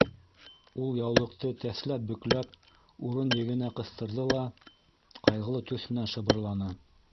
— Ул яулыҡты тәҫләп бөкләп урын егенә ҡыҫтырҙы ла ҡайғылы төҫ менән шыбырланы: